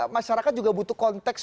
masyarakat juga butuh konteks